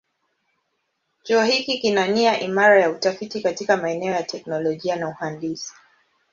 Chuo hiki kina nia imara ya utafiti katika maeneo ya teknolojia na uhandisi.